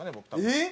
えっ！